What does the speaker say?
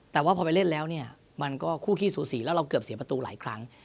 แต่ว่าพอไปเล่นแล้วเนี่ยมันก็คู่ขี้สูสีแล้วเราเกือบเสียประตูหลายครั้ง